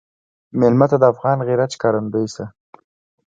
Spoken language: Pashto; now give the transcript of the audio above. مېلمه ته د افغان غیرت ښکارندوی شه.